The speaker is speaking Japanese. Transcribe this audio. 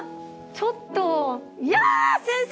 ちょっといやあ！先生！？